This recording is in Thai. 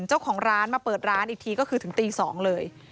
เจ้าของร้านมาเปิดร้านอีกทีก็คือถึงตี๒เลย